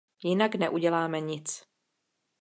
Jinak neuděláme nic.